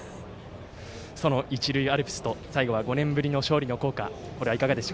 その一塁アルプスと最後は５年ぶりの勝利の校歌。